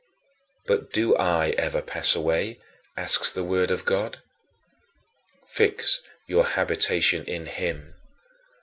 "But do I ever pass away?" asks the Word of God. Fix your habitation in him.